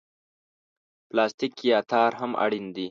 پلاستیک یا تار هم اړین دي.